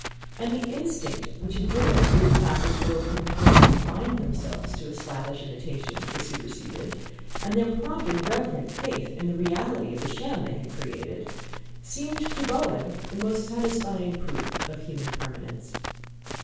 And the instinct which had driven a new class of world compellers to bind themselves to slavish imitation of the superseded, and their prompt and reverent faith in the reality of the sham they had created, seemed to Bowen the most satisfying proof of human permanence.